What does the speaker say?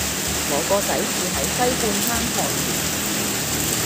我個仔住喺西半山瀚然